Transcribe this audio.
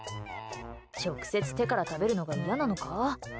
直接手から食べるのが嫌なのか？